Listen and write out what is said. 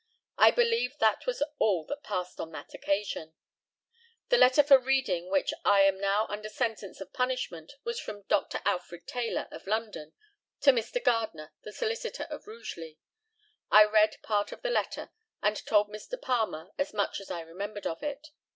I believe that was all that passed on that occasion. The letter for reading which I am now under sentence of punishment was from Dr. Alfred Taylor, of London, to Mr. Gardner, the solicitor of Rugeley. I read part of the letter, and told Palmer as much as I remembered of it.